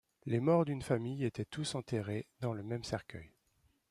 Les morts d'une famille étaient tous enterrés dans le même cercueil.